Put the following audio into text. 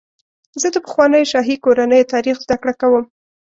زه د پخوانیو شاهي کورنیو تاریخ زدهکړه کوم.